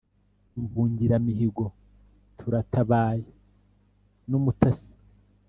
Imbungiramihigo turatabaye n'umutasi